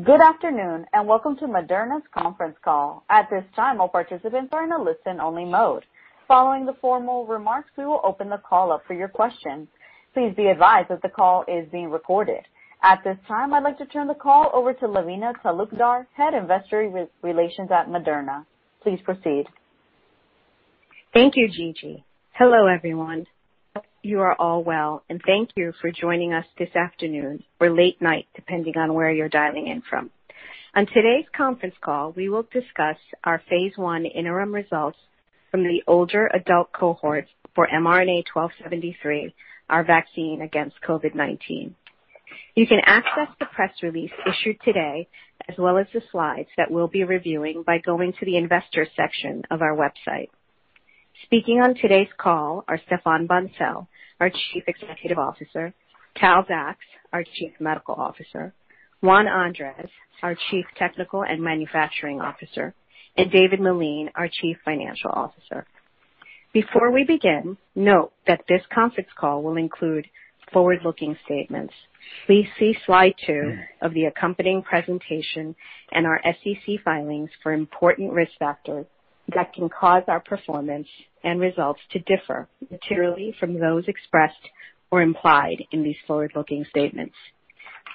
Good afternoon. Welcome to Moderna's conference call. At this time, all participants are in a listen-only mode. Following the formal remarks, we will open the call up for your questions. Please be advised that the call is being recorded. At this time, I'd like to turn the call over to Lavina Talukdar, Head Investor Relations at Moderna. Please proceed. Thank you, Gigi. Hello, everyone. Hope you are all well, and thank you for joining us this afternoon or late night, depending on where you're dialing in from. On today's conference call, we will discuss our phase I interim results from the older adult cohorts for mRNA-1273, our vaccine against COVID-19. You can access the press release issued today, as well as the slides that we'll be reviewing, by going to the investor section of our website. Speaking on today's call are Stéphane Bancel, our Chief Executive Officer, Tal Zaks, our Chief Medical Officer, Juan Andrés, our Chief Technical and Manufacturing Officer, and David Meline, our Chief Financial Officer. Before we begin, note that this conference call will include forward-looking statements. Please see slide two of the accompanying presentation, and our SEC filings, for important risk factors that can cause our performance and results to differ materially from those expressed or implied in these forward-looking statements.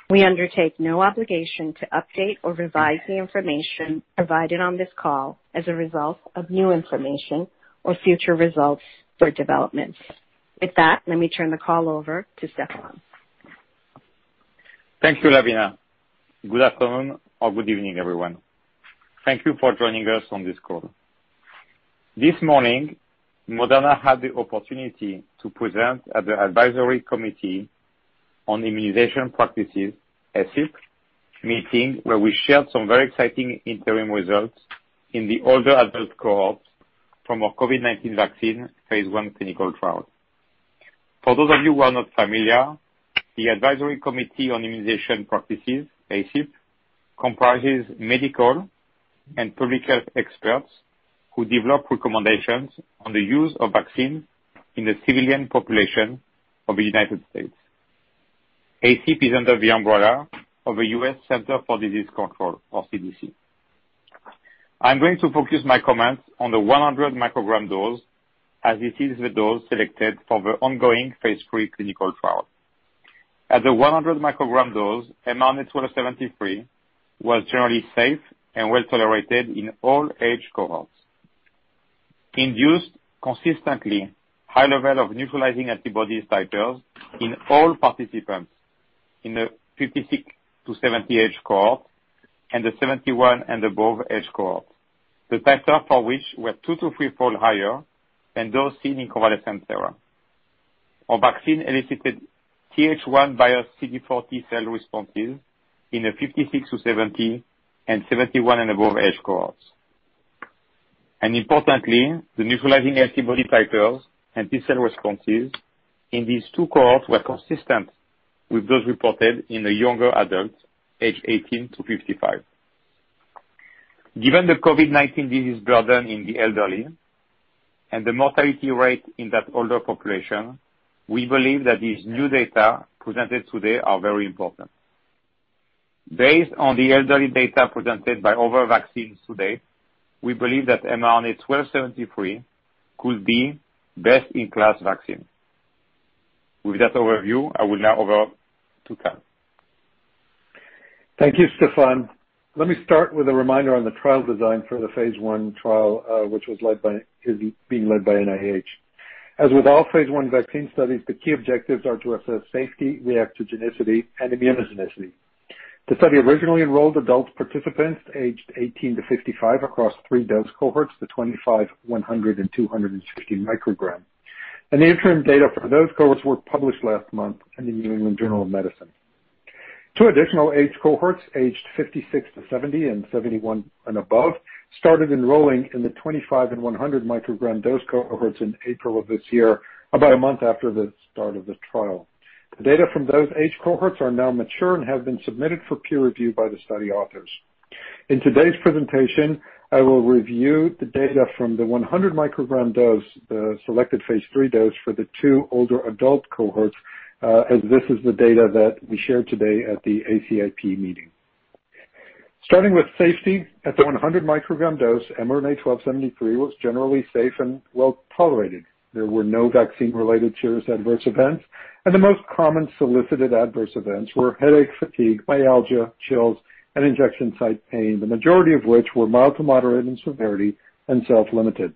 We undertake no obligation to update or revise the information provided on this call as a result of new information or future results or developments. With that, let me turn the call over to Stéphane. Thank you, Lavina. Good afternoon or good evening, everyone. Thank you for joining us on this call. This morning, Moderna had the opportunity to present at the Advisory Committee on Immunization Practices, ACIP, meeting, where we shared some very exciting interim results in the older adult cohorts from our COVID-19 vaccine phase I clinical trial. For those of you who are not familiar, the Advisory Committee on Immunization Practices, ACIP, comprises medical and public health experts who develop recommendations on the use of vaccines in the civilian population of the United States. ACIP is under the umbrella of the U.S. Centers for Disease Control, or CDC. I'm going to focus my comments on the 100 microgram dose, as this is the dose selected for the ongoing phase III clinical trial. At the 100 microgram dose, mRNA-1273 was generally safe and well-tolerated in all age cohorts, induced consistently high level of neutralizing antibody titers in all participants in the 56-70 age cohort and the 71 and above age cohort. The titer for which were two to three-fold higher than those seen in convalescent sera. Our vaccine elicited TH1-biased CD4 T-cell responses in the 56-70 and 71 and above age cohorts. Importantly, the neutralizing antibody titers and T-cell responses in these two cohorts were consistent with those reported in the younger adults aged 18-55. Given the COVID-19 disease burden in the elderly and the mortality rate in that older population, we believe that this new data presented today are very important. Based on the elderly data presented by other vaccines to date, we believe that mRNA-1273 could be best-in-class vaccine. With that overview, I will now over to Tal. Thank you, Stéphane. Let me start with a reminder on the trial design for the phase I trial, which is being led by NIH. As with all phase I vaccine studies, the key objectives are to assess safety, reactogenicity, and immunogenicity. The study originally enrolled adult participants age 18-55 across three dose cohorts, the 25, 100, and 250 microgram. The interim data for those cohorts were published last month in the New England Journal of Medicine. Two additional age cohorts, aged 56-70 and 71 and above, started enrolling in the 25 and 100 microgram dose cohorts in April of this year, about a month after the start of the trial. The data from those age cohorts are now mature and have been submitted for peer review by the study authors. In today's presentation, I will review the data from the 100 microgram dose, the selected phase III dose, for the two older adult cohorts, as this is the data that we shared today at the ACIP meeting. Starting with safety, at the 100 microgram dose, mRNA-1273 was generally safe and well-tolerated. There were no vaccine-related serious adverse events, and the most common solicited adverse events were headache, fatigue, myalgia, chills, and injection site pain, the majority of which were mild to moderate in severity and self-limited.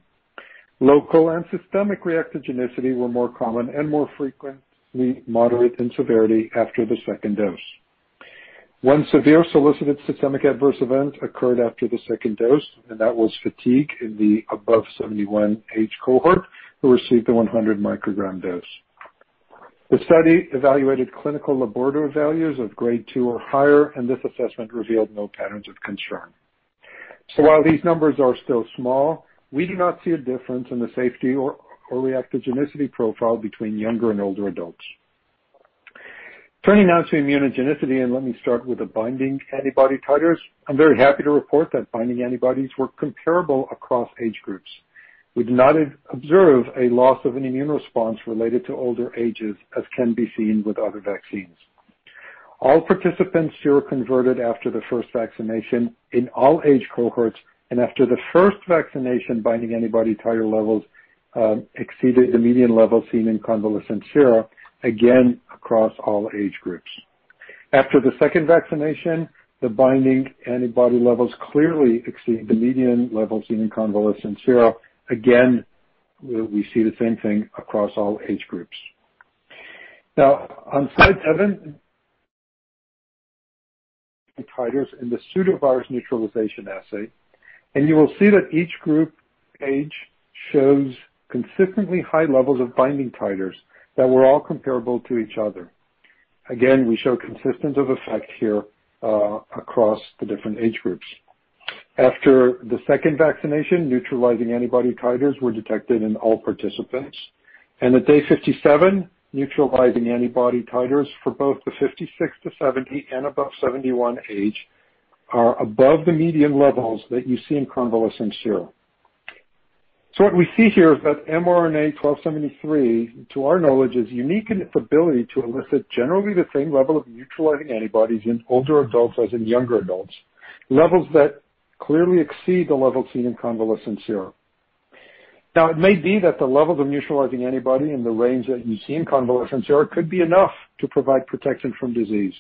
Local and systemic reactogenicity were more common and more frequently moderate in severity after the second dose. One severe solicited systemic adverse event occurred after the second dose, and that was fatigue in the above 71 age cohort who received the 100 microgram dose. The study evaluated clinical laboratory values of Grade 2 or higher, and this assessment revealed no patterns of concern. While these numbers are still small, we do not see a difference in the safety or reactogenicity profile between younger and older adults. Turning now to immunogenicity, let me start with the binding antibody titers. I'm very happy to report that binding antibodies were comparable across age groups. We did not observe a loss of an immune response related to older ages, as can be seen with other vaccines. All participants seroconverted after the first vaccination in all age cohorts, after the first vaccination, binding antibody titer levels exceeded the median level seen in convalescent sera, again, across all age groups. After the second vaccination, the binding antibody levels clearly exceed the median levels seen in convalescent sera. Again, we see the same thing across all age groups. On slide seven, the titers in the pseudovirus neutralization assay, you will see that each group age shows consistently high levels of binding titers that were all comparable to each other. Again, we show consistency of effect here across the different age groups. After the second vaccination, neutralizing antibody titers were detected in all participants. At day 57, neutralizing antibody titers for both the 56-70 and above 71 age are above the median levels that you see in convalescent sera. What we see here is that mRNA-1273, to our knowledge, is unique in its ability to elicit generally the same level of neutralizing antibodies in older adults as in younger adults, levels that clearly exceed the level seen in convalescent sera. Now, it may be that the level of the neutralizing antibody in the range that you see in convalescent sera could be enough to provide protection from disease.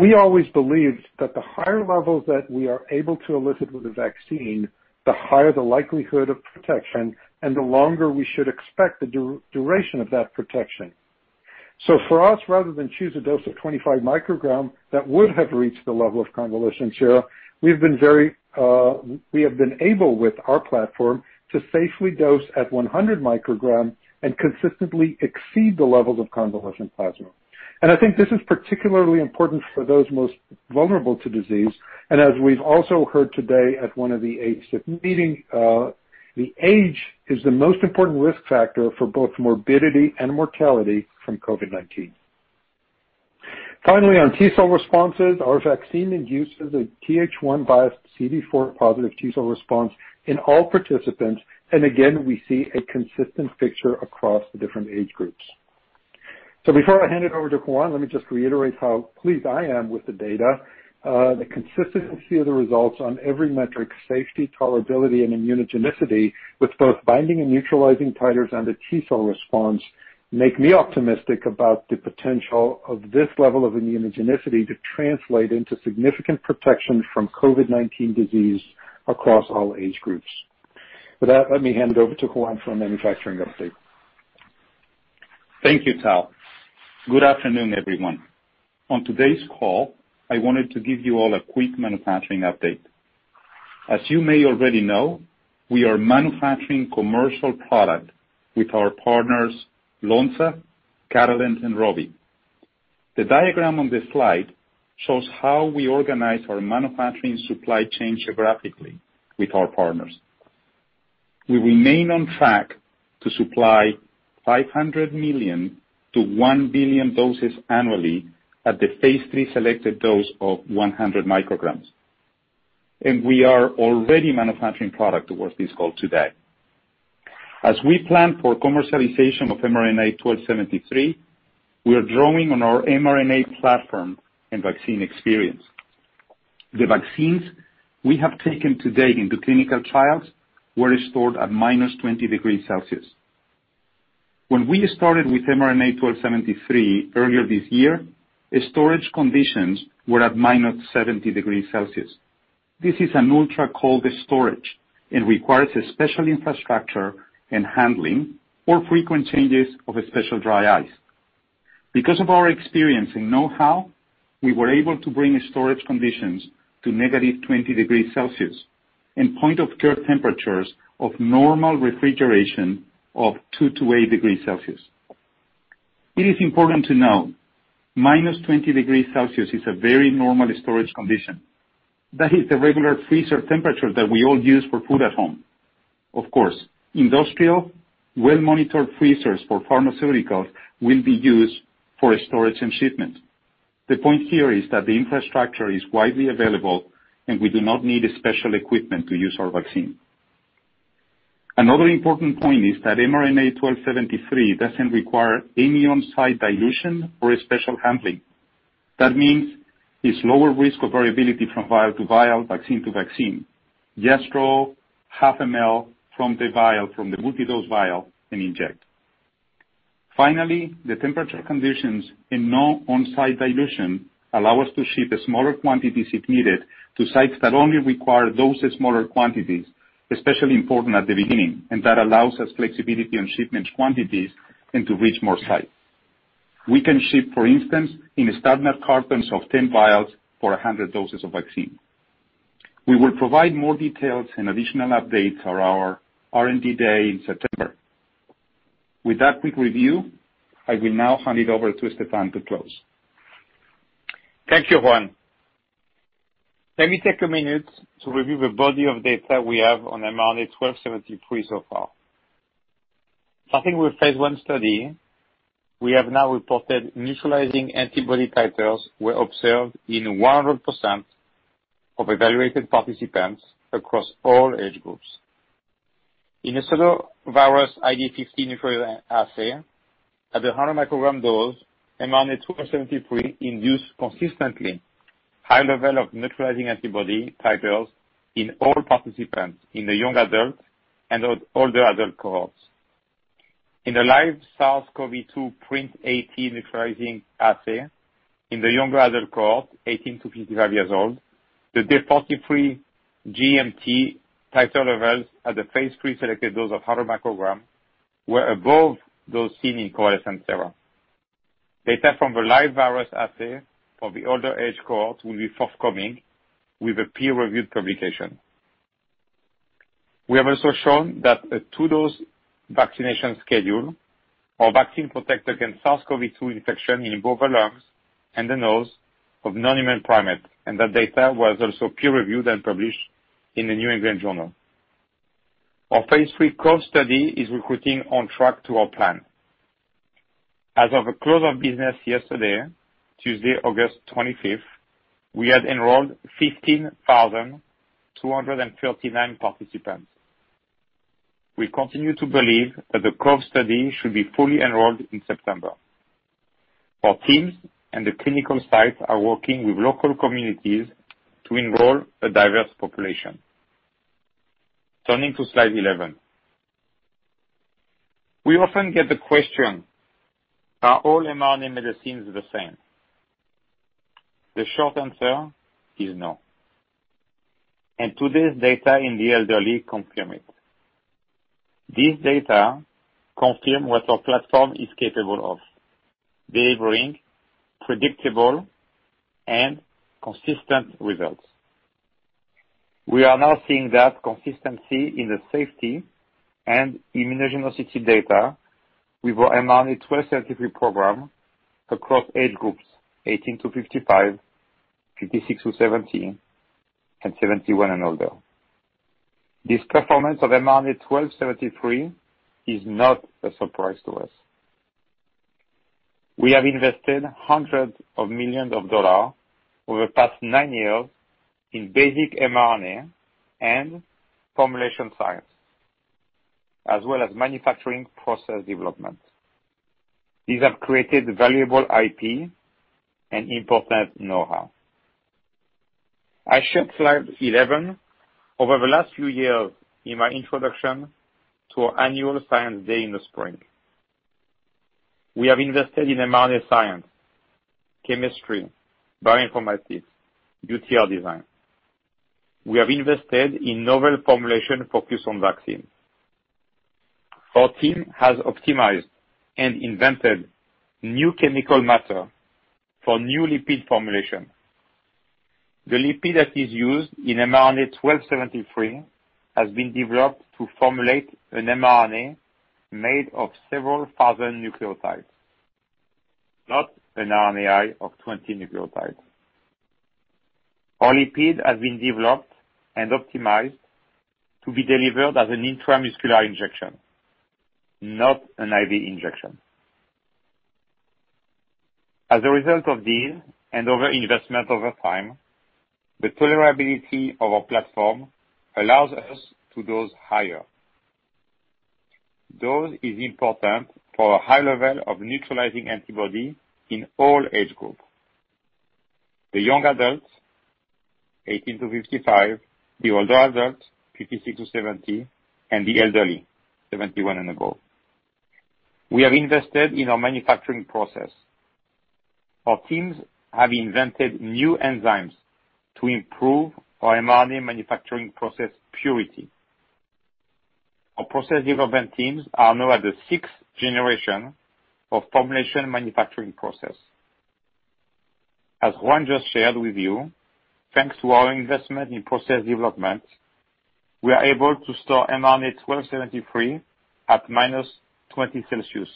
We always believed that the higher levels that we are able to elicit with a vaccine, the higher the likelihood of protection, and the longer we should expect the duration of that protection. For us, rather than choose a dose of 25 microgram that would have reached the level of convalescent sera, we have been able, with our platform, to safely dose at 100 microgram and consistently exceed the levels of convalescent plasma. I think this is particularly important for those most vulnerable to disease, and as we've also heard today at one of the ACIP meetings, the age is the most important risk factor for both morbidity and mortality from COVID-19. Finally, on T-cell responses, our vaccine induces a TH1-biased CD4 positive T-cell response in all participants. Again, we see a consistent picture across the different age groups. Before I hand it over to Juan, let me just reiterate how pleased I am with the data. The consistency of the results on every metric, safety, tolerability, and immunogenicity, with both binding and neutralizing titers and a T-cell response, make me optimistic about the potential of this level of immunogenicity to translate into significant protection from COVID-19 disease across all age groups. With that, let me hand it over to Juan for a manufacturing update. Thank you, Tal. Good afternoon, everyone. On today's call, I wanted to give you all a quick manufacturing update. As you may already know, we are manufacturing commercial product with our partners Lonza, Catalent, and ROVI. The diagram on this slide shows how we organize our manufacturing supply chain geographically with our partners. We remain on track to supply 500 million to 1 billion doses annually at the phase III selected dose of 100 micrograms. We are already manufacturing product towards this goal today. As we plan for commercialization of mRNA-1273, we are drawing on our mRNA platform and vaccine experience. The vaccines we have taken to date into clinical trials were stored at -20 degrees Celsius. When we started with mRNA-1273 earlier this year, the storage conditions were at -70 degrees Celsius. This is an ultra cold storage and requires a special infrastructure and handling or frequent changes of a special dry ice. Because of our experience and know-how, we were able to bring storage conditions to -20 degrees Celsius and point-of-care temperatures of normal refrigeration of two to eight degrees Celsius. It is important to know -20 degrees Celsius is a very normal storage condition. That is the regular freezer temperature that we all use for food at home. Of course, industrial well-monitored freezers for pharmaceuticals will be used for storage and shipment. The point here is that the infrastructure is widely available, and we do not need special equipment to use our vaccine. Another important point is that mRNA-1273 doesn't require any on-site dilution or special handling. That means it's lower risk of variability from vial-to-vial, vaccine-to-vaccine. Just draw 0.5mL from the multi-dose vial and inject. Finally, the temperature conditions and no on-site dilution allow us to ship smaller quantities if needed to sites that only require those smaller quantities, especially important at the beginning, and that allows us flexibility in shipment quantities and to reach more sites. We can ship, for instance, in standard cartons of 10 vials for 100 doses of vaccine. We will provide more details and additional updates on our R&D day in September. With that quick review, I will now hand it over to Stéphane to close. Thank you, Juan Andrés. Let me take a minute to review the body of data we have on mRNA-1273 so far. Starting with phase I study, we have now reported neutralizing antibody titers were observed in 100% of evaluated participants across all age groups. In a pseudovirus ID50 assay, at the 100 microgram dose, mRNA-1273 induced consistently high level of neutralizing antibody titers in all participants in the young adult and older adult cohorts. In the live SARS-CoV-2 PRNT neutralizing assay, in the younger adult cohort, 18-55 years old, the day 43 GMT titer levels at the phase III selected dose of 100 microgram were above those seen in convalescent sera. Data from the live virus assay for the older age cohort will be forthcoming with a peer-reviewed publication. We have also shown that a two-dose vaccination schedule for vaccine protect against SARS-CoV-2 infection in both the lungs and the nose of non-human primates, and that data was also peer-reviewed and published in the New England Journal. Our phase III COVE study is recruiting on track to our plan. As of close of business yesterday, Tuesday, August 25th, we had enrolled 15,239 participants. We continue to believe that the COVE study should be fully enrolled in September. Our teams and the clinical sites are working with local communities to enroll a diverse population. Turning to slide 11. We often get the question, Are all mRNA medicines the same? The short answer is no. Today's data in the elderly confirm it. These data confirm what our platform is capable of, delivering predictable and consistent results. We are now seeing that consistency in the safety and immunogenicity data with our mRNA-1273 program across age groups 18-55, 56-70, and 71 and older. This performance of mRNA-1273 is not a surprise to us. We have invested hundreds of millions of dollars over the past nine years in basic mRNA and formulation science, as well as manufacturing process development. These have created valuable IP and important know-how. I showed slide 11 over the last few years in my introduction to our annual science day in the spring. We have invested in mRNA science, chemistry, bioinformatics, UTR design. We have invested in novel formulation focused on vaccine. Our team has optimized and invented new chemical matter for new lipid formulation. The lipid that is used in mRNA-1273 has been developed to formulate an mRNA made of several thousand nucleotides, not an RNA of 20 nucleotides. Our lipid has been developed and optimized to be delivered as an intramuscular injection, not an IV injection. As a result of this and other investment over time, the tolerability of our platform allows us to dose higher. Dose is important for a high level of neutralizing antibody in all age groups, the young adults, 18-55, the older adults, 56-70, and the elderly, 71 and above. We have invested in our manufacturing process. Our teams have invented new enzymes to improve our mRNA manufacturing process purity. Our process development teams are now at the 6th generation of formulation manufacturing process. As Juan just shared with you, thanks to our investment in process development, we are able to store mRNA-1273 at -20 degrees Celsius,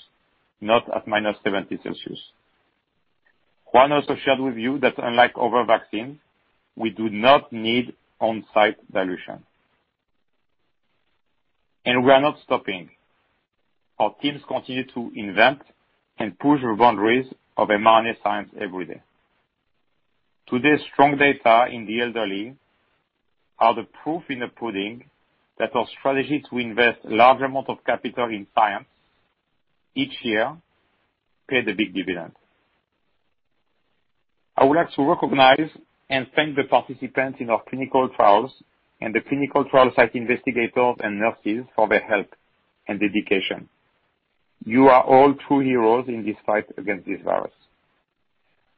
not at -70 degrees Celsius. Juan also shared with you that unlike other vaccine, we do not need on-site dilution. We are not stopping. Our teams continue to invent and push the boundaries of mRNA science every day. Today's strong data in the elderly are the proof in the pudding that our strategy to invest large amount of capital in science each year paid a big dividend. I would like to recognize and thank the participants in our clinical trials and the clinical trial site investigators and nurses for their help and dedication. You are all true heroes in this fight against this virus.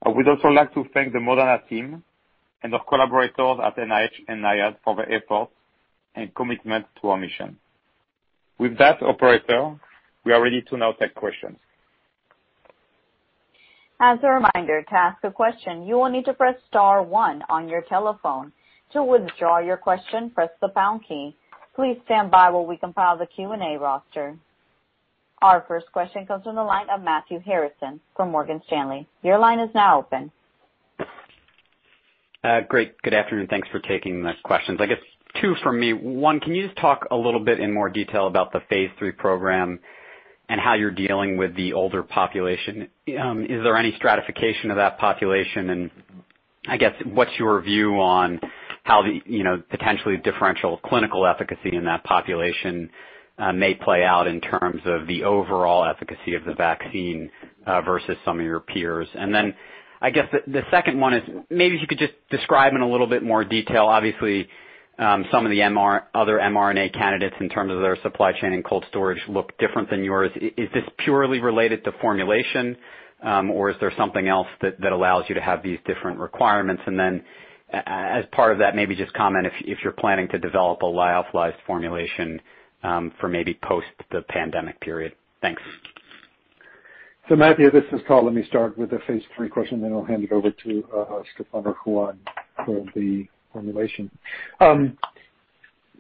I would also like to thank the Moderna team and our collaborators at NIH and NIAID for their effort and commitment to our mission. With that, operator, we are ready to now take questions. As a reminder, to ask a question, you will need to press star one on your telephone. To withdraw your question, press the pound key. Please stand by while we compile the Q&A roster. Our first question comes from the line of Matthew Harrison from Morgan Stanley. Your line is now open Great. Good afternoon. Thanks for taking the questions. I guess two from me. One, can you just talk a little bit in more detail about the phase III program and how you're dealing with the older population? Is there any stratification of that population, and I guess, what's your view on how the potentially differential clinical efficacy in that population may play out in terms of the overall efficacy of the vaccine versus some of your peers? Then, I guess the second one is maybe if you could just describe in a little bit more detail. Obviously, some of the other mRNA candidates in terms of their supply chain and cold storage look different than yours. Is this purely related to formulation, or is there something else that allows you to have these different requirements? As part of that, maybe just comment if you're planning to develop a lyophilized formulation for maybe post the pandemic period. Thanks. Matthew, this is Tal. Let me start with the phase III question, then I'll hand it over to Stéphane or Juan Andrés for the formulation.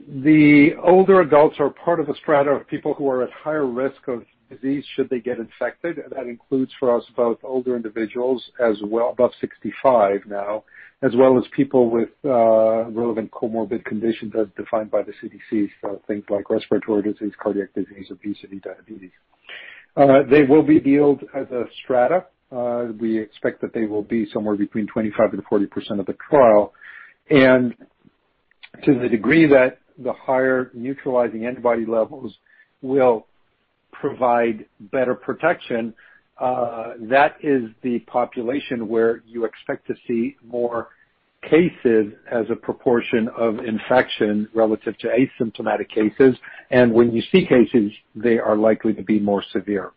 The older adults are part of a strata of people who are at higher risk of disease should they get infected. That includes, for us, both older individuals above 65 now, as well as people with relevant comorbid conditions as defined by the CDC, so things like respiratory disease, cardiac disease, obesity, diabetes. They will be dealt as a strata. We expect that they will be somewhere between 25%-40% of the trial. To the degree that the higher neutralizing antibody levels will provide better protection, that is the population where you expect to see more cases as a proportion of infection relative to asymptomatic cases. When you see cases, they are likely to be more severe.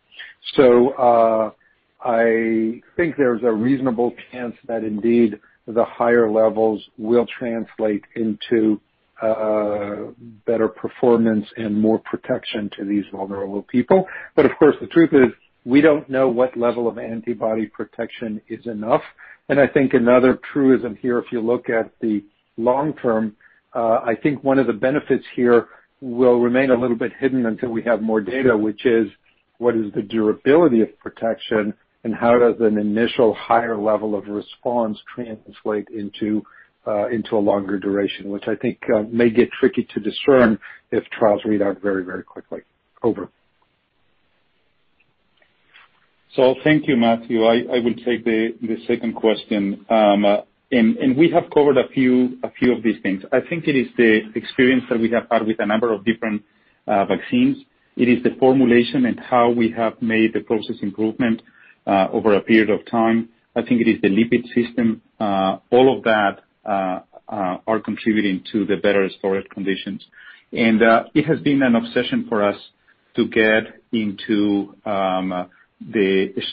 I think there's a reasonable chance that indeed the higher levels will translate into better performance and more protection to these vulnerable people. Of course, the truth is, we don't know what level of antibody protection is enough. I think another truism here, if you look at the long term, I think one of the benefits here will remain a little bit hidden until we have more data, which is what is the durability of protection, and how does an initial higher level of response translate into a longer duration, which I think may get tricky to discern if trials read out very, very quickly. Over. Thank you, Matthew. I will take the second question. We have covered a few of these things. I think it is the experience that we have had with a number of different vaccines. It is the formulation and how we have made the process improvement over a period of time. I think it is the lipid system. All of that are contributing to the better storage conditions. It has been an obsession for us to get into the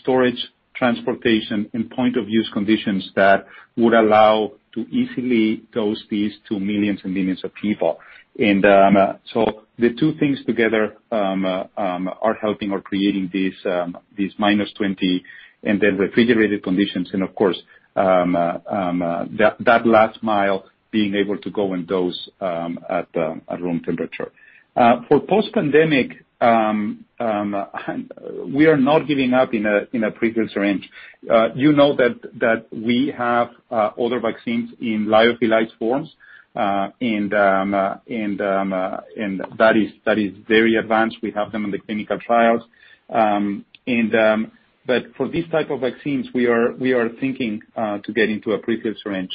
storage, transportation, and point-of-use conditions that would allow to easily dose these to millions and millions of people. The two things together are helping or creating these -20 and then refrigerated conditions. Of course, that last mile being able to go and dose at room temperature. For post-pandemic, we are not giving up in a previous range. You know that we have other vaccines in lyophilized forms, and that is very advanced. We have them in the clinical trials. But for these type of vaccines, we are thinking to get into a previous range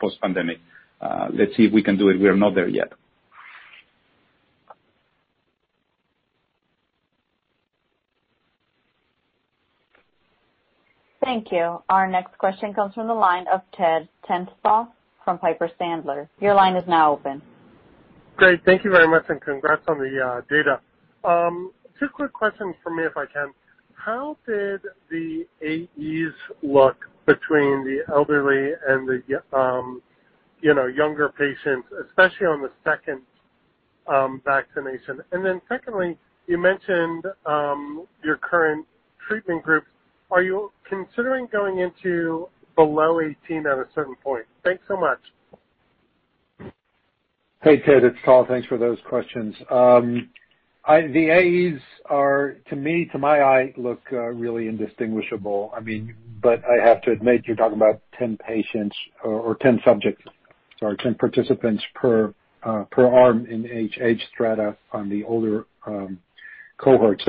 post-pandemic. Let's see if we can do it. We are not there yet. Thank you. Our next question comes from the line of Ted Tenthoff from Piper Sandler. Your line is now open. Great. Thank you very much, and congrats on the data. Two quick questions from me, if I can. How did the AEs look between the elderly and the younger patients, especially on the second vaccination? Secondly, you mentioned your current treatment groups. Are you considering going into below 18 at a certain point? Thanks so much. Hey, Ted, it's Tal. Thanks for those questions. The AEs are to me, to my eye, look really indistinguishable. I have to admit, you're talking about 10 patients or 10 subjects, or 10 participants per arm in each age strata on the older cohort.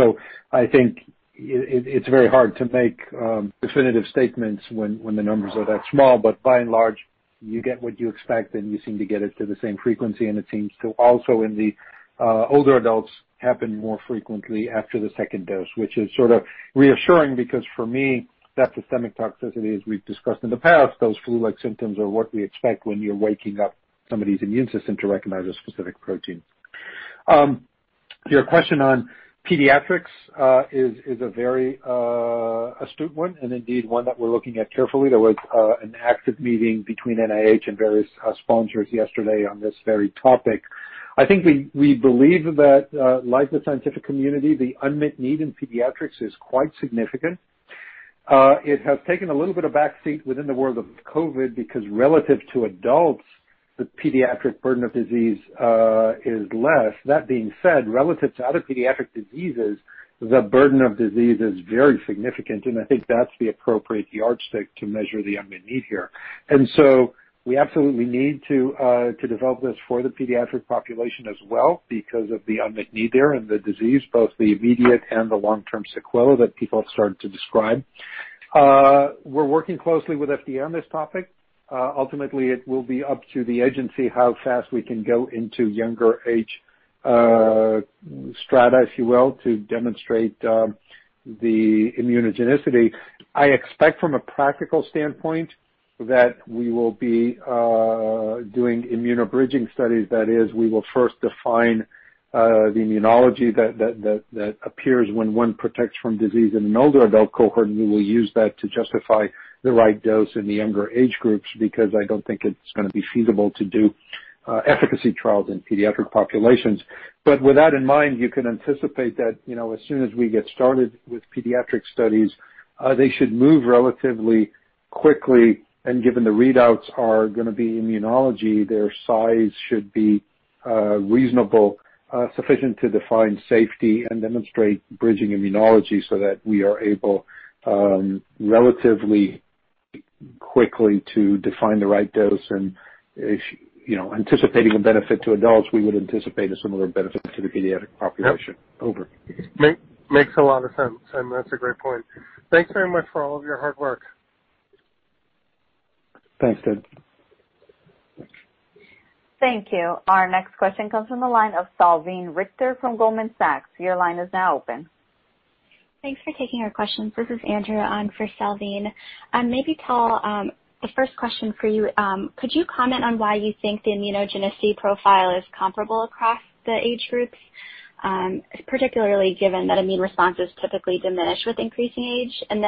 I think it's very hard to make definitive statements when the numbers are that small, but by and large, you get what you expect, and you seem to get it to the same frequency, and it seems to also in the older adults happen more frequently after the second dose, which is sort of reassuring because for me, that systemic toxicity, as we've discussed in the past, those flu-like symptoms are what we expect when you're waking up somebody's immune system to recognize a specific protein. Your question on pediatrics is a very astute one and indeed one that we're looking at carefully. There was an active meeting between NIH and various sponsors yesterday on this very topic. I think we believe that like the scientific community, the unmet need in pediatrics is quite significant. It has taken a little bit of back seat within the world of COVID-19 because relative to adults, the pediatric burden of disease is less. That being said, relative to other pediatric diseases, the burden of disease is very significant, and I think that's the appropriate yardstick to measure the unmet need here. We absolutely need to develop this for the pediatric population as well because of the unmet need there and the disease, both the immediate and the long-term sequela that people have started to describe. We're working closely with FDA on this topic. Ultimately, it will be up to the agency how fast we can go into younger age strata, if you will, to demonstrate the immunogenicity. I expect from a practical standpoint that we will be doing immunobridging studies. That is, we will first define the immunology that appears when one protects from disease in an older adult cohort, and we will use that to justify the right dose in the younger age groups, because I don't think it's going to be feasible to do efficacy trials in pediatric populations. With that in mind, you can anticipate that as soon as we get started with pediatric studies, they should move relatively quickly, and given the readouts are going to be immunology, their size should be reasonable, sufficient to define safety and demonstrate bridging immunology so that we are able relatively quickly to define the right dose. Anticipating a benefit to adults, we would anticipate a similar benefit to the pediatric population. Over. Makes a lot of sense, and that's a great point. Thanks very much for all of your hard work. Thanks, Ted. Thank you. Our next question comes from the line of Salveen Richter from Goldman Sachs. Your line is now open. Thanks for taking our questions. This is Andrea on for Salveen. Maybe Tal, the first question for you, could you comment on why you think the immunogenicity profile is comparable across the age groups, particularly given that immune responses typically diminish with increasing age?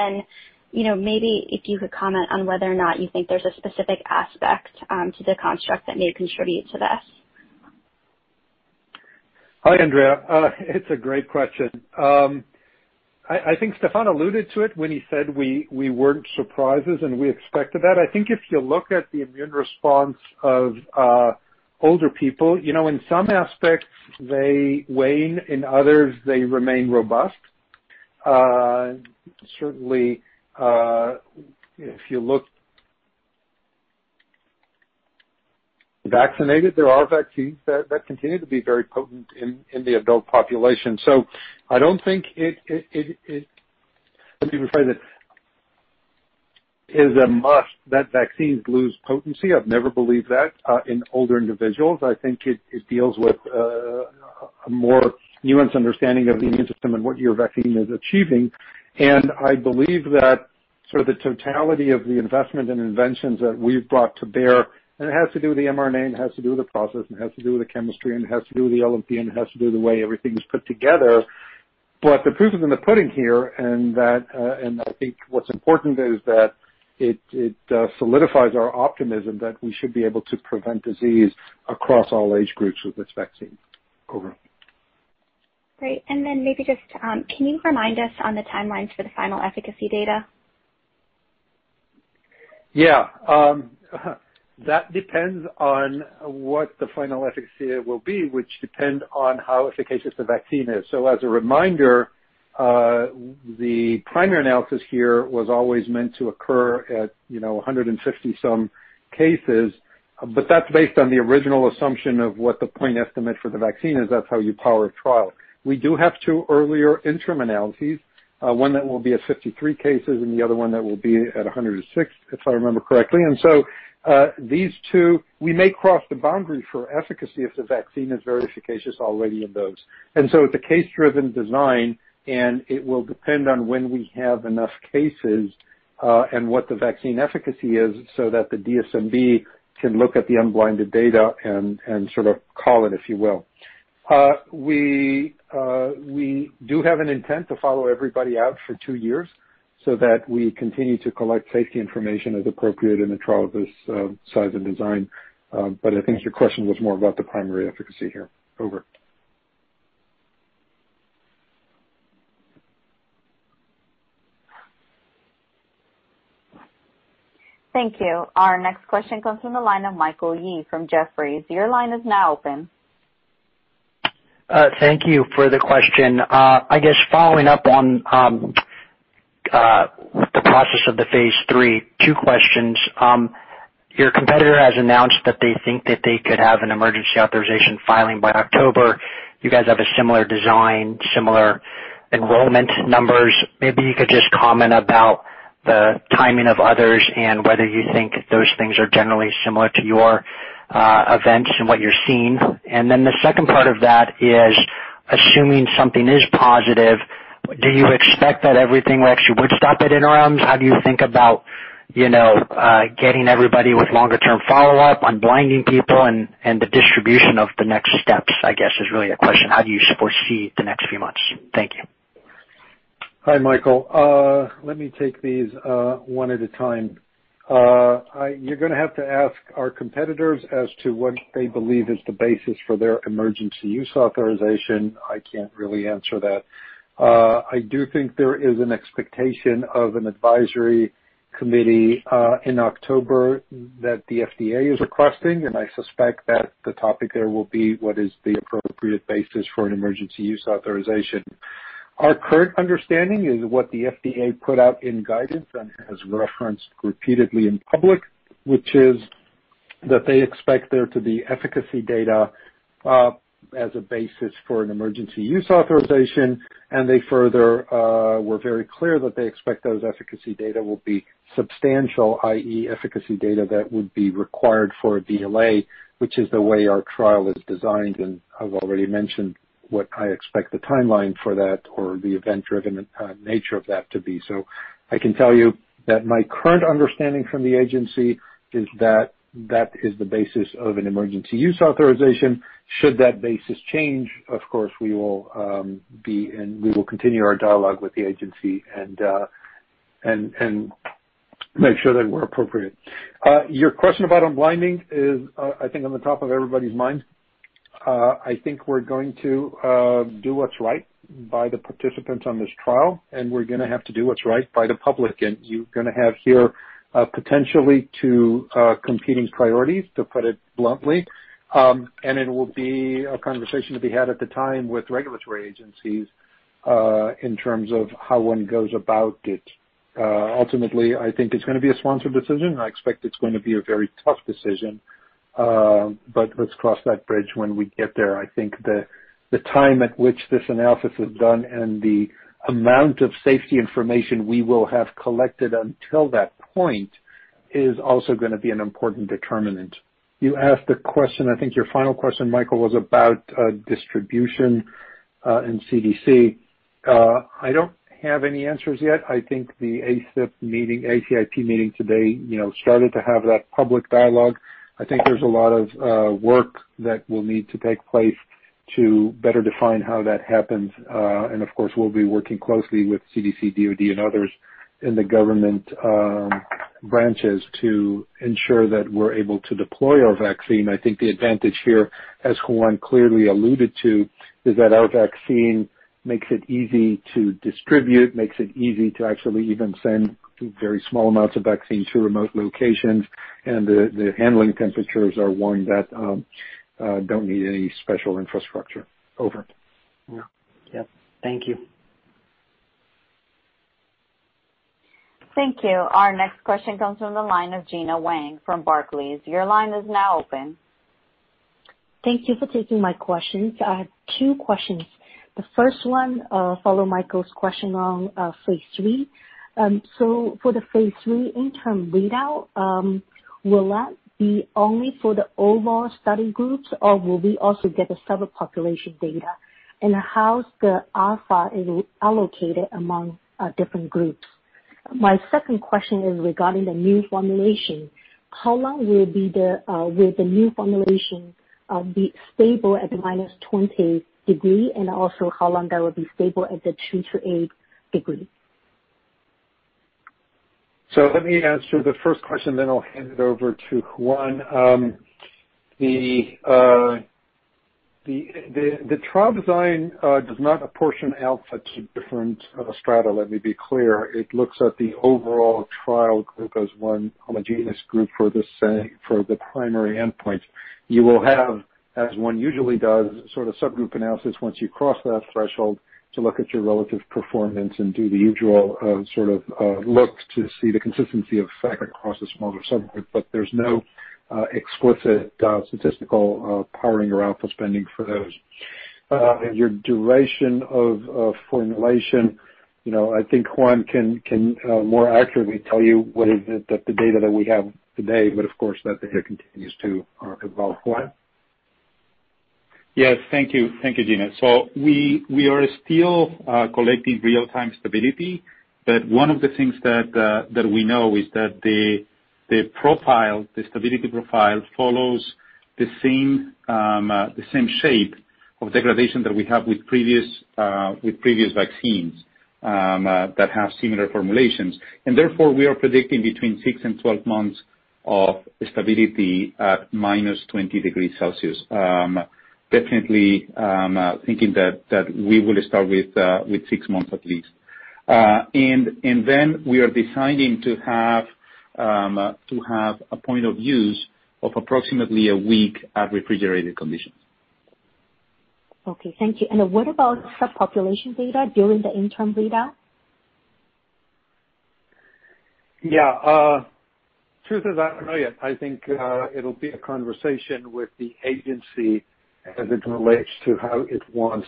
Maybe if you could comment on whether or not you think there's a specific aspect to the construct that may contribute to this. Hi, Andrea. It's a great question. I think Stéphane alluded to it when he said we weren't surprises, we expected that. I think if you look at the immune response of older people, in some aspects they wane, in others they remain robust. Certainly if you look vaccinated, there are vaccines that continue to be very potent in the adult population. I don't think it, let me rephrase it, is a must that vaccines lose potency. I've never believed that in older individuals. I think it deals with a more nuanced understanding of the immune system and what your vaccine is achieving. I believe that the totality of the investment and inventions that we've brought to bear, and it has to do with the mRNA, and it has to do with the process, and it has to do with the chemistry, and it has to do with the LNP, and it has to do with the way everything is put together. The proof is in the pudding here, and I think what's important is that it solidifies our optimism that we should be able to prevent disease across all age groups with this vaccine. Over. Great. Then maybe just can you remind us on the timelines for the final efficacy data? Yeah. That depends on what the final efficacy will be, which depends on how efficacious the vaccine is. As a reminder, the primary analysis here was always meant to occur at 150 some cases. That's based on the original assumption of what the point estimate for the vaccine is. That's how you power a trial. We do have two earlier interim analyses, one that will be at 53 cases and the other one that will be at 106, if I remember correctly. These two, we may cross the boundary for efficacy if the vaccine is very efficacious already in those. It's a case-driven design, and it will depend on when we have enough cases, and what the vaccine efficacy is so that the DSMB can look at the unblinded data and sort of call it if you will. We do have an intent to follow everybody out for two years so that we continue to collect safety information as appropriate in a trial of this size and design. I think your question was more about the primary efficacy here. Over. Thank you. Our next question comes from the line of Michael Yee from Jefferies. Your line is now open. Thank you for the question. I guess following up on the process of the phase III, two questions. Your competitor has announced that they think that they could have an emergency authorization filing by October. You guys have a similar design, similar enrollment numbers. Maybe you could just comment about the timing of others and whether you think those things are generally similar to your events and what you're seeing. Then the second part of that is, assuming something is positive, do you expect that everything actually would stop at interims? How do you think about getting everybody with longer-term follow-up, unblinding people, and the distribution of the next steps, I guess, is really a question. How do you foresee the next few months? Thank you. Hi, Michael. Let me take these one at a time. You're going to have to ask our competitors as to what they believe is the basis for their emergency use authorization. I can't really answer that. I do think there is an expectation of an Advisory Committee in October that the FDA is requesting, and I suspect that the topic there will be what is the appropriate basis for an emergency use authorization. Our current understanding is what the FDA put out in guidance and has referenced repeatedly in public, which is that they expect there to be efficacy data as a basis for an emergency use authorization, and they further were very clear that they expect those efficacy data will be substantial, i.e., efficacy data that would be required for a BLA, which is the way our trial is designed. I've already mentioned what I expect the timeline for that or the event-driven nature of that to be. I can tell you that my current understanding from the agency is that that is the basis of an Emergency Use Authorization. Should that basis change, of course, we will continue our dialogue with the agency and make sure that we're appropriate. Your question about unblinding is, I think, on the top of everybody's mind. I think we're going to do what's right by the participants on this trial, and we're going to have to do what's right by the public. You're going to have here potentially two competing priorities, to put it bluntly. It will be a conversation to be had at the time with regulatory agencies, in terms of how one goes about it. Ultimately, I think it's going to be a sponsored decision. I expect it's going to be a very tough decision. Let's cross that bridge when we get there. I think the time at which this analysis is done and the amount of safety information we will have collected until that point is also going to be an important determinant. You asked the question, I think your final question, Michael, was about distribution and CDC. I don't have any answers yet. I think the ACIP meeting today started to have that public dialogue. I think there's a lot of work that will need to take place to better define how that happens. Of course, we'll be working closely with CDC, DOD, and others in the government branches to ensure that we're able to deploy our vaccine. I think the advantage here, as Juan clearly alluded to, is that our vaccine makes it easy to distribute, makes it easy to actually even send very small amounts of vaccine to remote locations. The handling temperatures are one that don't need any special infrastructure. Over. Yeah. Thank you. Thank you. Our next question comes from the line of Gena Wang from Barclays. Your line is now open. Thank you for taking my questions. I have two questions. The first one follow Michael's question on phase III. For the phase III interim readout, will that be only for the overall study groups, or will we also get the subpopulation data, and how's the alpha allocated among different groups? My second question is regarding the new formulation. How long will the new formulation be stable at the -20 degrees, and also how long that will be stable at the two to eight degrees? Let me answer the first question, then I'll hand it over to Juan. The trial design does not apportion alpha to different strata. Let me be clear. It looks at the overall trial group as one homogeneous group for the primary endpoint. You will have, as one usually does, sort of subgroup analysis once you cross that threshold to look at your relative performance and do the usual sort of look to see the consistency of effect across a smaller subgroup. There's no explicit statistical powering or alpha spending for those. Your duration of formulation, I think Juan can more accurately tell you what is the data that we have today. Of course, that data continues to evolve. Juan? Yes. Thank you, Gena. We are still collecting real-time stability. One of the things that we know is that the stability profile follows the same shape of degradation that we have with previous vaccines that have similar formulations. Therefore, we are predicting between six and 12 months of stability at -20 degrees Celsius. Definitely thinking that we will start with six months at least. Then we are designing to have a point of use of approximately a week at refrigerated conditions. Okay. Thank you. What about subpopulation data during the interim readout? Yeah. Truth is, I don't know yet. I think it'll be a conversation with the agency as it relates to how it wants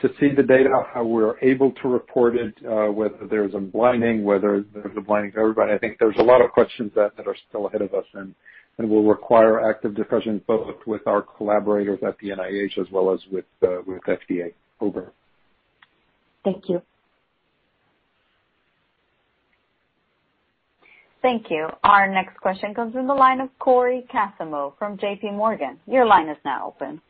to see the data, how we're able to report it, whether there's unblinding, whether there's a blinding for everybody. I think there's a lot of questions that are still ahead of us, and will require active discussion both with our collaborators at the NIH as well as with FDA. Over. Thank you. Thank you. Our next question comes from the line of Cory Kasimov from JPMorgan. Your line is now open.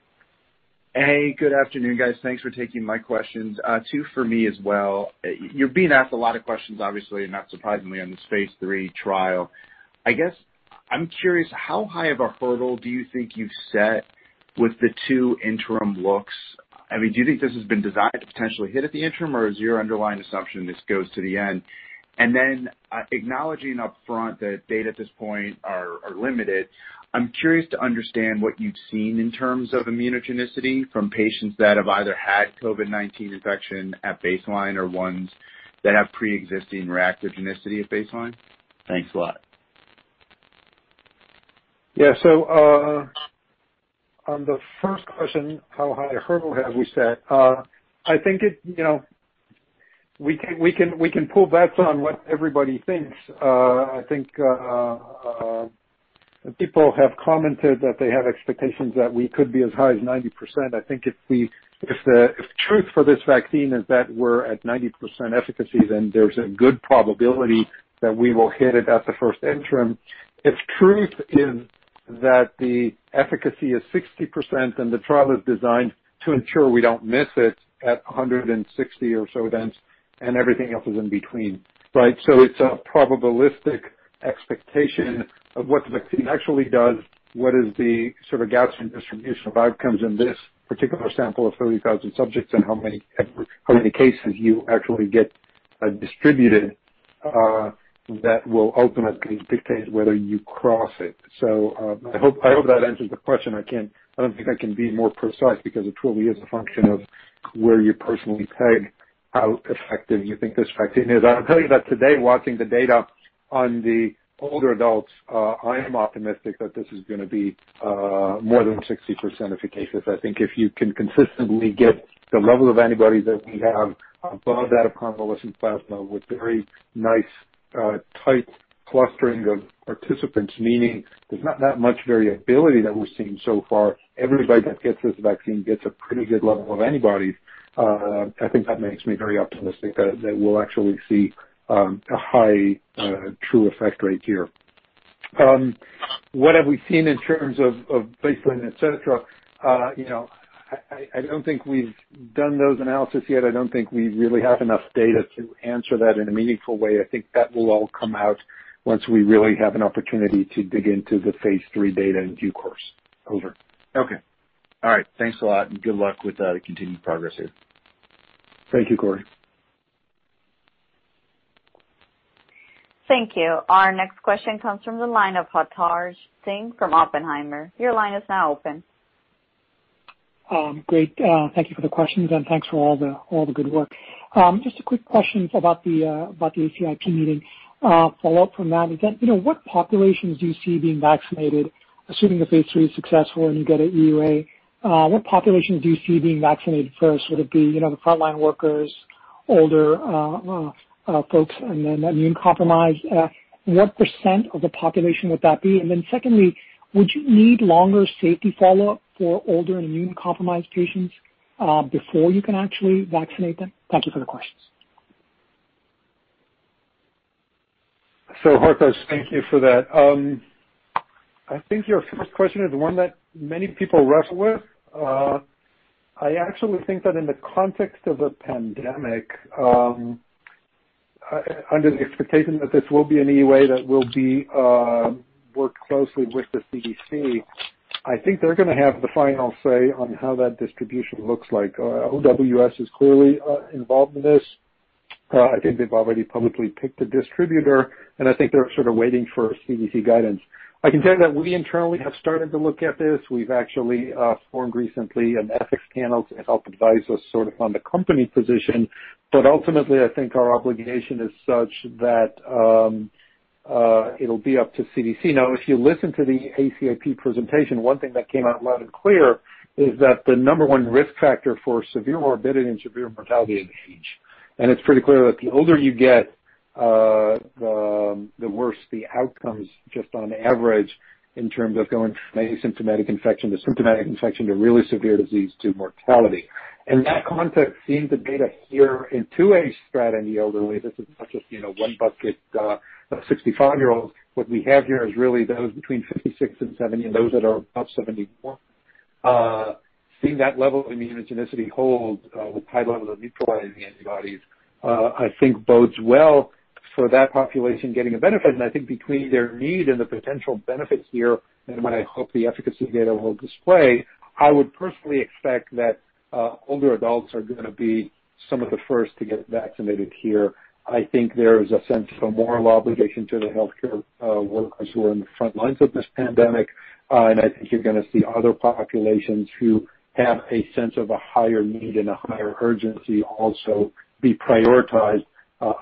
Hey, good afternoon, guys. Thanks for taking my questions. Two for me as well. You're being asked a lot of questions, obviously, not surprisingly, on this phase III trial. I guess I'm curious, how high of a hurdle do you think you've set with the two interim looks? Do you think this has been designed to potentially hit at the interim, or is your underlying assumption this goes to the end? Acknowledging upfront that data at this point are limited, I'm curious to understand what you've seen in terms of immunogenicity from patients that have either had COVID-19 infection at baseline, or ones that have pre-existing reactogenicity at baseline. Thanks a lot. On the first question, how high a hurdle have we set? I think we can poll bets on what everybody thinks. I think people have commented that they have expectations that we could be as high as 90%. I think if the truth for this vaccine is that we're at 90% efficacy, there's a good probability that we will hit it at the first interim. If truth is that the efficacy is 60%, the trial is designed to ensure we don't miss it at 160 or so events, and everything else is in between, right? It's a probabilistic expectation of what the vaccine actually does, what is the sort of Gaussian distribution of outcomes in this particular sample of 30,000 subjects, and how many cases you actually get distributed that will ultimately dictate whether you cross it. I hope that answers the question. I don't think I can be more precise because it truly is a function of where you personally peg how effective you think this vaccine is. I'll tell you that today, watching the data on the older adults, I am optimistic that this is going to be more than 60% effective. I think if you can consistently get the level of antibodies that we have above that of convalescent plasma with very nice tight clustering of participants, meaning there's not that much variability that we're seeing so far. Everybody that gets this vaccine gets a pretty good level of antibodies. I think that makes me very optimistic that we'll actually see a high true effect rate here. What have we seen in terms of baseline, et cetera? I don't think we've done those analysis yet. I don't think we really have enough data to answer that in a meaningful way. I think that will all come out once we really have an opportunity to dig into the phase III data in due course. Over. Okay. All right. Thanks a lot, and good luck with the continued progress here. Thank you, Cory. Thank you. Our next question comes from the line of Hartaj Singh from Oppenheimer. Your line is now open. Great. Thank you for the questions. Thanks for all the good work. Just a quick question about the ACIP meeting follow-up from that event. What populations do you see being vaccinated, assuming the phase III is successful, and you get an EUA? What populations do you see being vaccinated first? Would it be the frontline workers, older folks, and then immune-compromised? What % of the population would that be? Secondly, would you need longer safety follow-up for older immune-compromised patients before you can actually vaccinate them? Thank you for the questions. Hartaj, thank you for that. I think your first question is one that many people wrestle with. I actually think that in the context of a pandemic, under the expectation that this will be an EUA that will be worked closely with the CDC, I think they're going to have the final say on how that distribution looks like. OWS is clearly involved in this. I think they've already publicly picked a distributor, and I think they're sort of waiting for CDC guidance. I can tell you that we internally have started to look at this. We've actually formed recently an ethics panel to help advise us sort of on the company position. Ultimately, I think our obligation is such that it'll be up to CDC. Now, if you listen to the ACIP presentation, one thing that came out loud and clear is that the number one risk factor for severe morbidity and severe mortality is age. It's pretty clear that the older you get, the worse the outcomes, just on average, in terms of going from asymptomatic infection to symptomatic infection to really severe disease to mortality. That context in the data here in two-way strat in the elderly, this is not just one bucket of 65-year-olds. What we have here is really those between 56 and 70 and those that are above 74. Seeing that level of immunogenicity hold with high levels of neutralizing antibodies I think bodes well for that population getting a benefit. I think between their need and the potential benefit here, and what I hope the efficacy data will display, I would personally expect that older adults are going to be some of the first to get vaccinated here. I think there is a sense of moral obligation to the healthcare workers who are in the front lines of this pandemic. I think you're going to see other populations who have a sense of a higher need and a higher urgency also be prioritized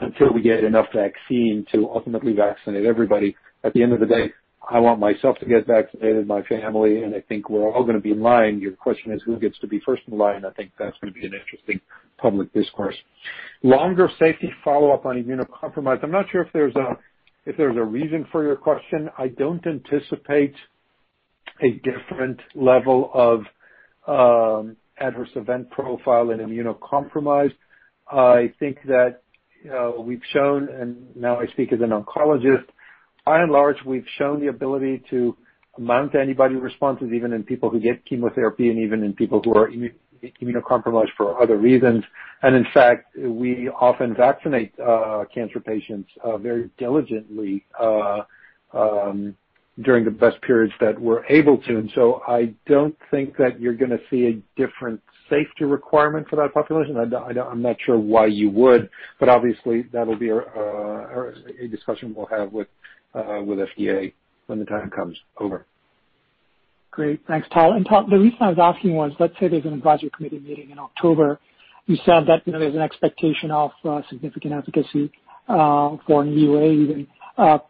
until we get enough vaccine to ultimately vaccinate everybody. At the end of the day, I want myself to get vaccinated, my family, and I think we're all going to be in line. Your question is, who gets to be first in line? I think that's going to be an interesting public discourse. Longer safety follow-up on immunocompromised. I'm not sure if there's a reason for your question. I don't anticipate a different level of adverse event profile in immunocompromised. I think that we've shown, and now I speak as an oncologist, by and large, we've shown the ability to mount antibody responses even in people who get chemotherapy and even in people who are immunocompromised for other reasons. In fact, we often vaccinate cancer patients very diligently, during the best periods that we're able to. So I don't think that you're going to see a different safety requirement for that population. I'm not sure why you would, but obviously, that'll be a discussion we'll have with FDA when the time comes. Over. Great. Thanks, Tal. Tal, the reason I was asking was, let's say there's an advisory committee meeting in October. You said that there's an expectation of significant efficacy for an EUA even.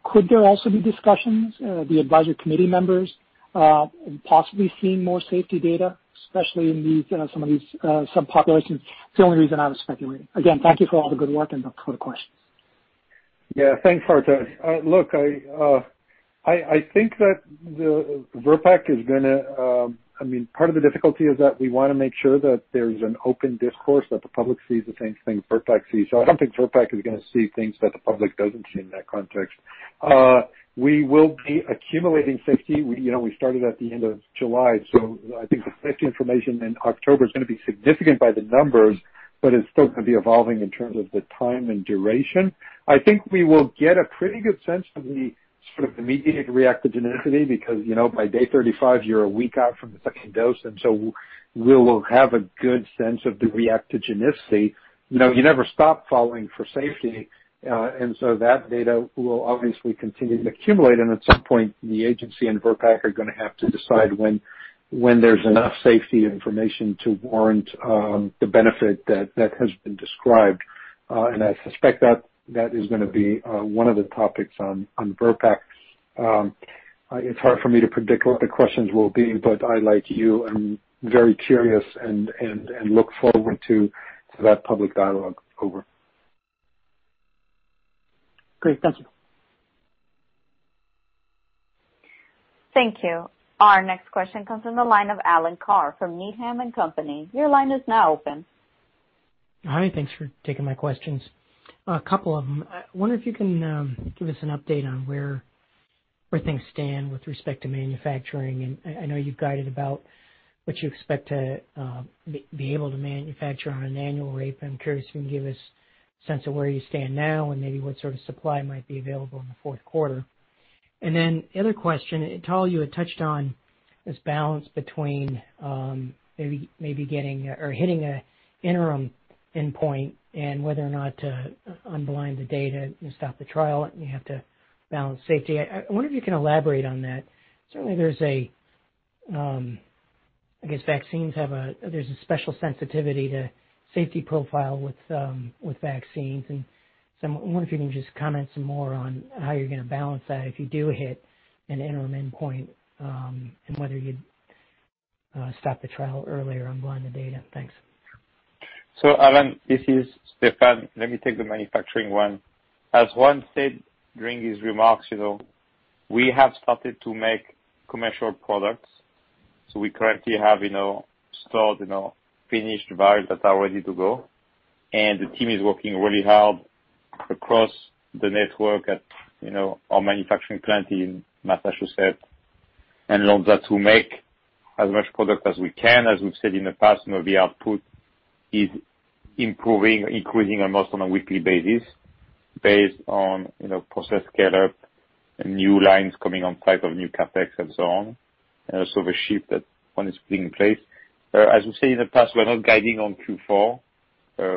Could there also be discussions, the advisory committee members, possibly seeing more safety data, especially in some populations? It's the only reason I was speculating. Thank you for all the good work, and for the questions. Yeah. Thanks, Hartaj. Look, I think that part of the difficulty is that we want to make sure that there's an open discourse, that the public sees the same thing VRBPAC sees. I don't think VRBPAC is going to see things that the public doesn't see in that context. We will be accumulating safety. We started at the end of July, I think the safety information in October is going to be significant by the numbers, but it's still going to be evolving in terms of the time and duration. I think we will get a pretty good sense of the immediate reactogenicity, because by day 35, you're a week out from the second dose, we will have a good sense of the reactogenicity. You never stop following for safety, and so that data will obviously continue to accumulate, and at some point, the agency and VRBPAC are going to have to decide when there's enough safety information to warrant the benefit that has been described. I suspect that is going to be one of the topics on VRBPAC. It's hard for me to predict what the questions will be, but I, like you, am very curious and look forward to that public dialogue. Over. Great. Thank you. Thank you. Our next question comes from the line of Alan Carr from Needham & Company. Your line is now open. Hi, thanks for taking my questions. A couple of them. I wonder if you can give us an update on where things stand with respect to manufacturing. I know you've guided about what you expect to be able to manufacture on an annual rate. I'm curious if you can give us a sense of where you stand now and maybe what sort of supply might be available in the fourth quarter. The other question, Tal, you had touched on this balance between maybe getting or hitting an interim endpoint and whether or not to unblind the data and stop the trial. You have to balance safety. I wonder if you can elaborate on that. Certainly, I guess vaccines have a special sensitivity to safety profile with vaccines, and so I wonder if you can just comment some more on how you're going to balance that if you do hit an interim endpoint, and whether you'd stop the trial early or unblind the data. Thanks. Alan, this is Stéphane. Let me take the manufacturing one. As Juan said during his remarks, we have started to make commercial products. We currently have stored finished vials that are ready to go. The team is working really hard across the network at our manufacturing plant in Massachusetts and France to make as much product as we can. As we've said in the past, the output is improving, increasing almost on a weekly basis, based on process scale-up and new lines coming online, new CapEx and so on. Also the shift that Juan is putting in place. As we've said in the past, we're not guiding on Q4.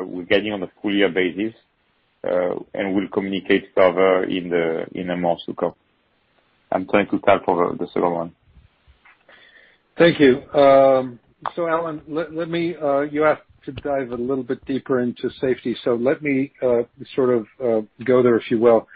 We're guiding on a full-year basis, and we'll communicate further in a month to come. I'm turning to Tal for the second one. Thank you. Alan, you asked to dive a little bit deeper into safety, so let me sort of go there, if you will.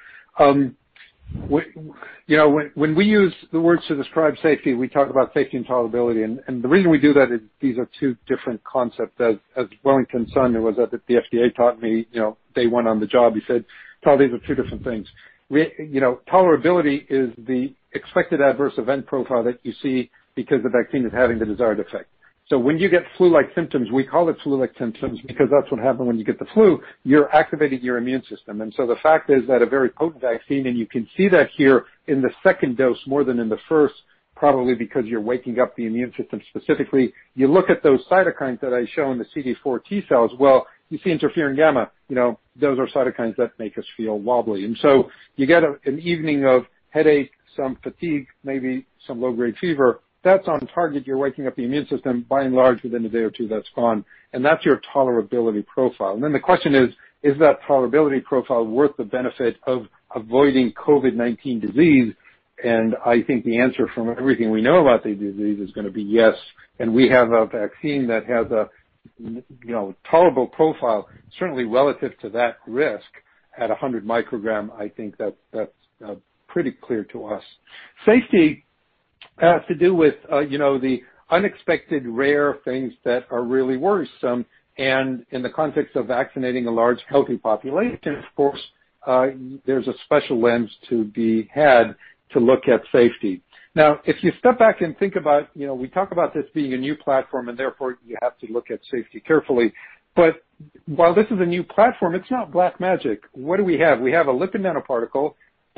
When we use the words to describe safety, we talk about safety and tolerability, and the reason we do that is these are two different concepts. As Wellington Sun, who was at the FDA, taught me day one on the job, he said, "Tal, these are two different things." Tolerability is the expected adverse event profile that you see because the vaccine is having the desired effect. When you get flu-like symptoms, we call it flu-like symptoms because that's what happens when you get the flu. You're activating your immune system. The fact is that a very potent vaccine, and you can see that here in the second dose more than in the first, probably because you're waking up the immune system specifically. You look at those cytokines that I show in the CD4 T cells, well, you see interferon gamma. You get an evening of headache, some fatigue, maybe some low-grade fever. That's on target. You're waking up the immune system. By and large, within a day or two, that's gone. That's your tolerability profile. The question is that tolerability profile worth the benefit of avoiding COVID-19 disease? I think the answer from everything we know about the disease is going to be yes, and we have a vaccine that has a tolerable profile, certainly relative to that risk. At 100 microgram, I think that's pretty clear to us. Safety has to do with the unexpected rare things that are really worrisome. In the context of vaccinating a large healthy population, of course, there's a special lens to be had to look at safety. If you step back and think about it, we talk about this being a new platform, and therefore, you have to look at safety carefully. While this is a new platform, it's not black magic. What do we have? We have a lipid nanoparticle,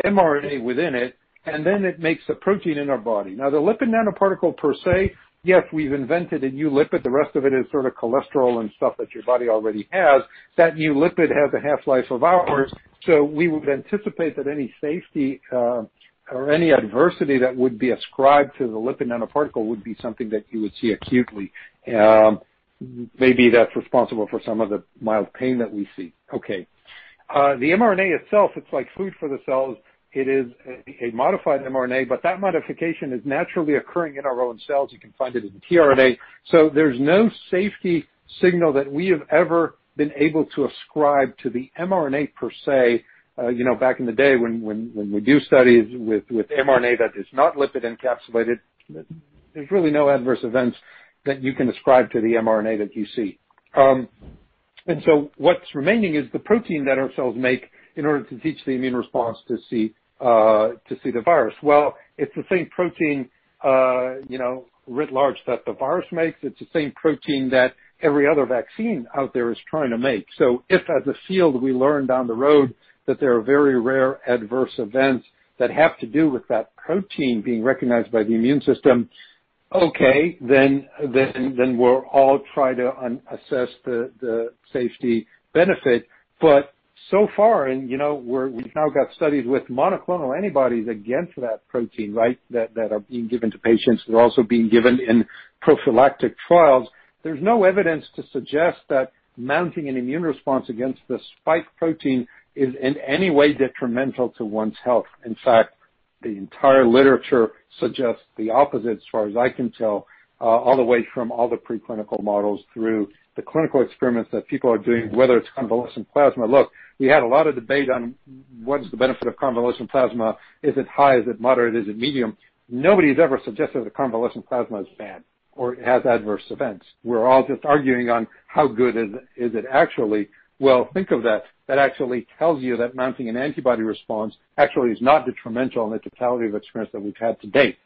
mRNA within it, and then it makes a protein in our body. The lipid nanoparticle per se, yes, we've invented a new lipid. The rest of it is sort of cholesterol and stuff that your body already has. That new lipid has a half-life of hours. We would anticipate that any safety or any adversity that would be ascribed to the lipid nanoparticle would be something that you would see acutely. Maybe that's responsible for some of the mild pain that we see. Okay. The mRNA itself, it's like food for the cells. It is a modified mRNA, that modification is naturally occurring in our own cells. You can find it in tRNA. There's no safety signal that we have ever been able to ascribe to the mRNA per se. Back in the day when we do studies with mRNA that is not lipid encapsulated, there's really no adverse events that you can ascribe to the mRNA that you see. What's remaining is the protein that our cells make in order to teach the immune response to see the virus. Well, it's the same protein writ large that the virus makes. It's the same protein that every other vaccine out there is trying to make. If as a field, we learn down the road that there are very rare adverse events that have to do with that protein being recognized by the immune system, okay, then we'll all try to assess the safety benefit. So far, and we've now got studies with monoclonal antibodies against that protein that are being given to patients. They're also being given in prophylactic trials. There's no evidence to suggest that mounting an immune response against the spike protein is in any way detrimental to one's health. In fact, the entire literature suggests the opposite as far as I can tell, all the way from all the pre-clinical models through the clinical experiments that people are doing, whether it's convalescent plasma. Look, we had a lot of debate on what is the benefit of convalescent plasma. Is it high, is it moderate, is it medium? Nobody's ever suggested that convalescent plasma is bad or it has adverse events. We're all just arguing on how good is it actually. Well, think of that. That actually tells you that mounting an antibody response actually is not detrimental in the totality of experience that we've had to date.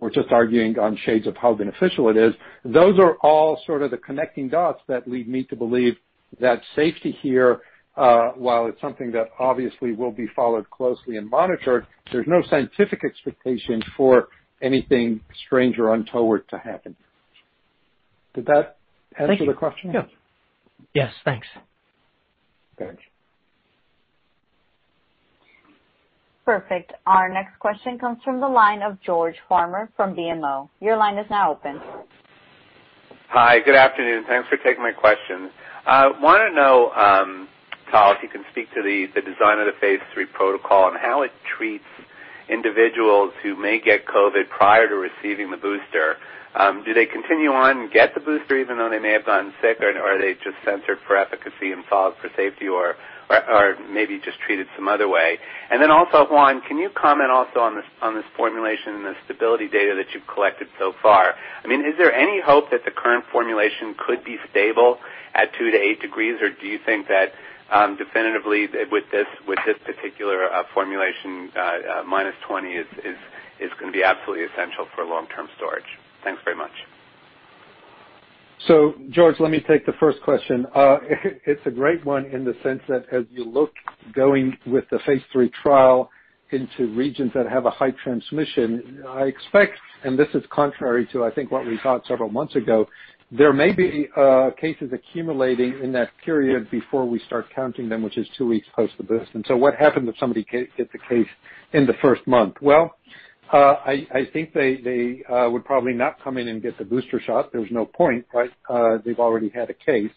We're just arguing on shades of how beneficial it is. Those are all sort of the connecting dots that lead me to believe that safety here, while it's something that obviously will be followed closely and monitored, there's no scientific expectation for anything strange or untoward to happen. Did that answer the question? Thank you. Yeah. Yes. Thanks. Good. Perfect. Our next question comes from the line of George Farmer from BMO. Your line is now open. Hi. Good afternoon. Thanks for taking my questions. I want to know, Tal, if you can speak to the design of the phase III protocol and how it treats individuals who may get COVID-19 prior to receiving the booster. Do they continue on and get the booster even though they may have gotten sick, or are they just censored for efficacy and followed for safety, or maybe just treated some other way? Also, Juan, can you comment also on this formulation and the stability data that you've collected so far? I mean, is there any hope that the current formulation could be stable at two to eight degrees, or do you think that definitively with this particular formulation, -20 is going to be absolutely essential for long-term storage? Thanks very much. George, let me take the first question. It's a great one in the sense that as you look going with the phase III trial into regions that have a high transmission, I expect, and this is contrary to I think what we thought several months ago, there may be cases accumulating in that period before we start counting them, which is two weeks post the boost. What happened if somebody gets a case in the first month? Well, I think they would probably not come in and get the booster shot. There's no point, right? They've already had a case.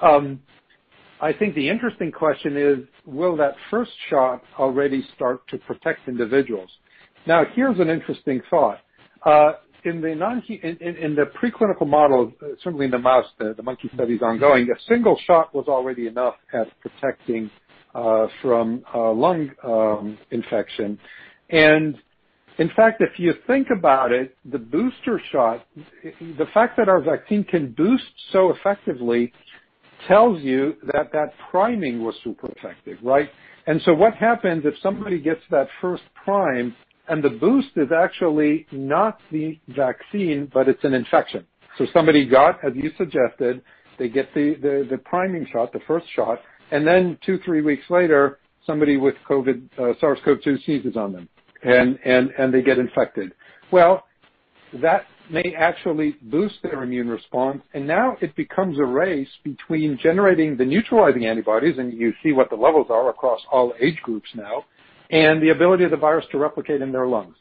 I think the interesting question is, will that first shot already start to protect individuals? Now, here's an interesting thought. In the preclinical model, certainly in the mouse, the monkey study is ongoing, a single shot was already enough at protecting from lung infection. In fact, if you think about it, the booster shot, the fact that our vaccine can boost so effectively tells you that that priming was super effective, right? What happens if somebody gets that first prime and the boost is actually not the vaccine, but it's an infection? Somebody got, as you suggested, they get the priming shot, the first shot, and then two, three weeks later, somebody with SARS-CoV-2 sneezes on them, and they get infected. That may actually boost their immune response, and now it becomes a race between generating the neutralizing antibodies, and you see what the levels are across all age groups now, and the ability of the virus to replicate in their lungs.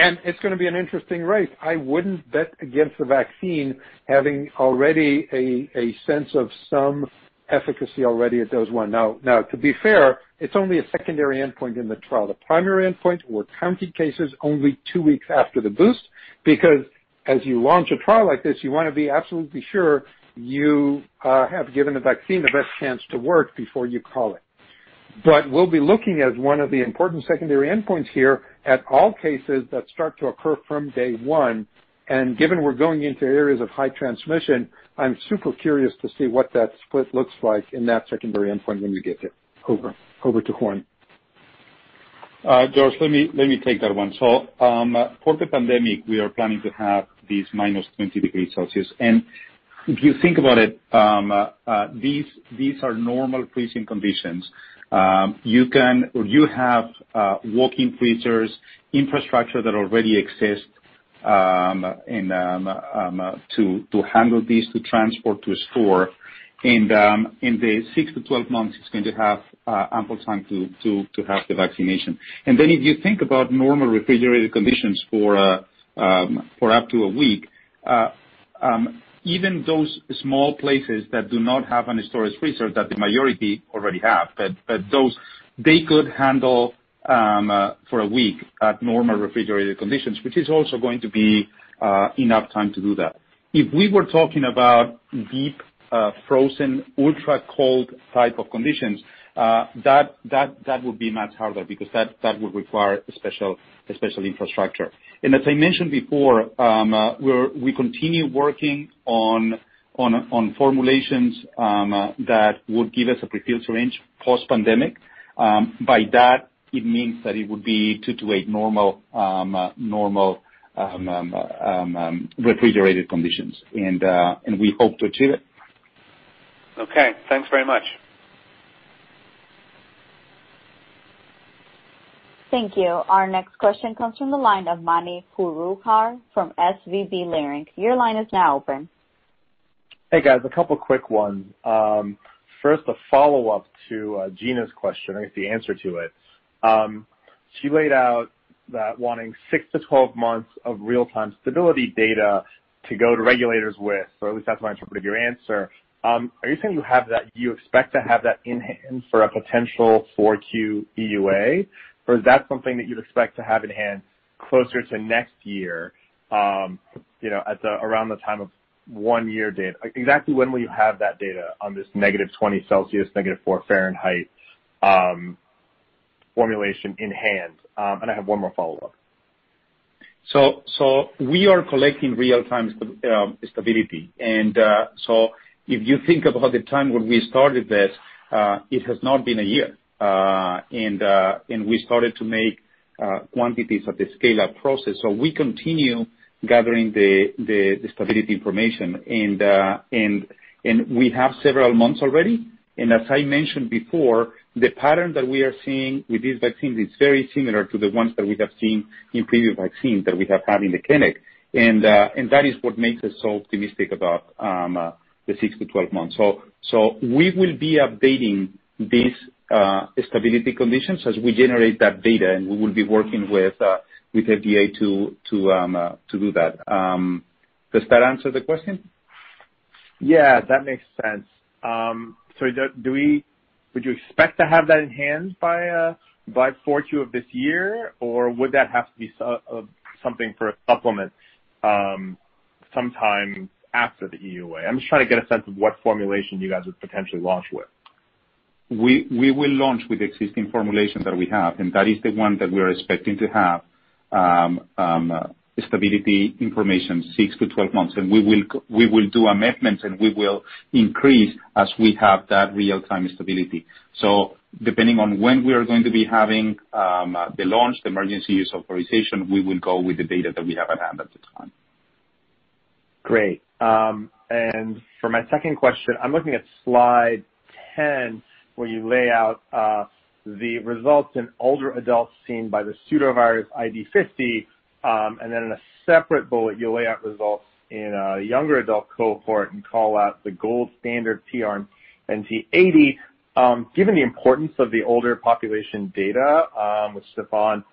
It's going to be an interesting race. I wouldn't bet against the vaccine having already a sense of some efficacy already at Dose 1. To be fair, it's only a secondary endpoint in the trial. The primary endpoint, we're counting cases only two weeks after the boost, because as you launch a trial like this, you want to be absolutely sure you have given the vaccine the best chance to work before you call it. We'll be looking at one of the important secondary endpoints here at all cases that start to occur from day one, and given we're going into areas of high transmission, I'm super curious to see what that split looks like in that secondary endpoint when we get there. Over to Juan. George, let me take that one. For the pandemic, we are planning to have this -20 degree Celsius. If you think about it, these are normal freezing conditions. You have walk-in freezers, infrastructure that already exists to handle this, to transport to a store. The 6-12 months is going to have ample time to have the vaccination. If you think about normal refrigerated conditions for up to a week, even those small places that do not have any storage freezer, that the majority already have, but those, they could handle for a week at normal refrigerated conditions, which is also going to be enough time to do that. If we were talking about deep frozen, ultra-cold type of conditions, that would be much harder because that would require special infrastructure. As I mentioned before, we continue working on formulations that would give us a prefill range post-pandemic. By that it means that it would be two to eight normal refrigerated conditions, and we hope to achieve it. Okay. Thanks very much. Thank you. Our next question comes from the line of Mani Foroohar from SVB Leerink. Your line is now open. Hey, guys, a couple of quick ones. First, a follow-up to Gena's question. I think the answer to it. She laid out that wanting 6-12 months of real-time stability data to go to regulators with, or at least that's my interpret of your answer. Are you saying you expect to have that in hand for a potential 4Q EUA? Is that something that you'd expect to have in hand closer to next year around the time of one year data? Exactly when will you have that data on this -20 Celsius, -4 Fahrenheit formulation in hand? I have one more follow-up. We are collecting real-time stability. If you think about the time when we started this, it has not been a year. We started to make quantities of the scale-up process. We continue gathering the stability information. We have several months already. As I mentioned before, the pattern that we are seeing with these vaccines is very similar to the ones that we have seen in previous vaccines that we have had in the clinic. That is what makes us so optimistic about the 6-12 months. We will be updating these stability conditions as we generate that data, and we will be working with FDA to do that. Does that answer the question? Yeah, that makes sense. Would you expect to have that in hand by 4Q of this year, or would that have to be something for a supplement sometime after the EUA? I'm just trying to get a sense of what formulation you guys would potentially launch with. We will launch with existing formulations that we have. That is the one that we are expecting to have stability information 6-12 months. We will do amendments, and we will increase as we have that real-time stability. Depending on when we are going to be having the launch, the Emergency Use Authorization, we will go with the data that we have at hand at the time. Great. For my second question, I'm looking at slide 10, where you lay out the results in older adults seen by the pseudovirus ID50, then in a separate bullet, you lay out results in a younger adult cohort and call out the gold standard PRNT80. Given the importance of the older population data, which Stéphane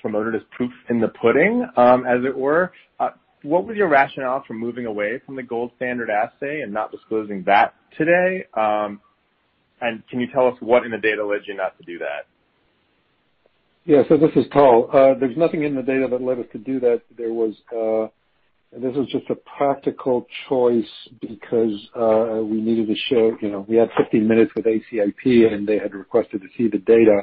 promoted as proof in the pudding, as it were, what was your rationale for moving away from the gold standard assay and not disclosing that today? Can you tell us what in the data led you not to do that? This is Tal. There's nothing in the data that led us to do that. This was just a practical choice because we needed to show, we had 15 minutes with ACIP, and they had requested to see the data.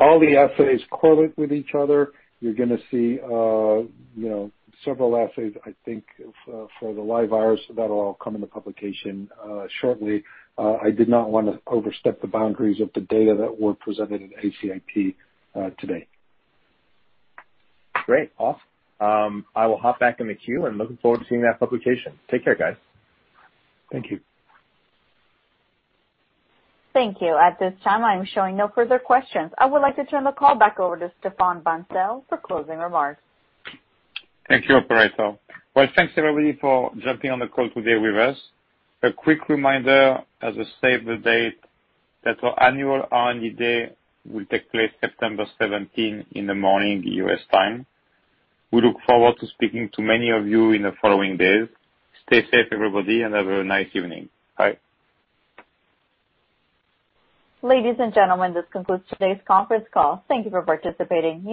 All the assays correlate with each other. You're going to see several assays, I think, for the live virus. That'll all come in the publication shortly. I did not want to overstep the boundaries of the data that were presented at ACIP today. Great. Awesome. I will hop back in the queue and looking forward to seeing that publication. Take care, guys. Thank you. Thank you. At this time, I'm showing no further questions. I would like to turn the call back over to Stéphane Bancel for closing remarks. Thank you, operator. Well, thanks, everybody, for jumping on the call today with us. A quick reminder as a save the date that our annual R&D day will take place September 17 in the morning, U.S. time. We look forward to speaking to many of you in the following days. Stay safe, everybody, and have a nice evening. Bye. Ladies and gentlemen, this concludes today's conference call. Thank you for participating.